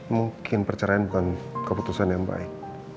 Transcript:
mungkin perceraian bukan keputusan yang baik